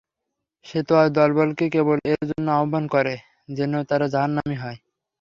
সে তো তার দলবলকে কেবল এ জন্য আহ্বান করে, যেন তারা জাহান্নামী হয়।